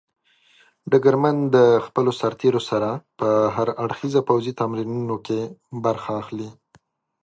ډګرمن د خپلو سرتېرو سره په هر اړخيزو پوځي تمرینونو کې برخه اخلي.